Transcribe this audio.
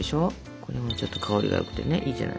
これもちょっと香りがよくてねいいじゃないですか。